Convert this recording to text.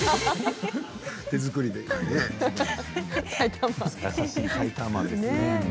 手作りでね。